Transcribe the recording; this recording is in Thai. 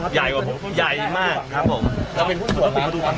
ใหญ่มากครับผม